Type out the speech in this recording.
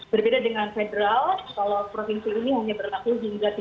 berbeda dengan federal kalau provinsi ini hanya berlaku hingga tiga puluh